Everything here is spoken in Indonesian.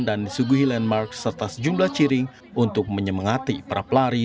dan disuguhi landmark serta sejumlah cheering untuk menyemangati para pelari